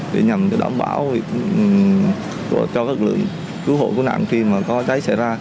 để nhằm đảm bảo cho các lượng cứu hộ của nạn khi mà có cháy xảy ra